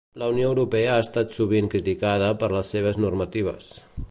La Unió Europea ha estat sovint criticada per les seves normatives.